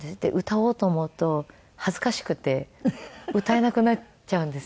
歌おうと思うと恥ずかしくて歌えなくなっちゃうんですよ。